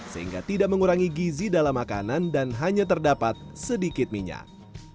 sehingga tidak mengurangi gizi dalam makanan dan hanya terdapat sedikit minyak